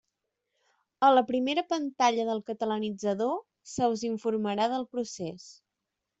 A la primera pantalla del Catalanitzador se us informarà del procés.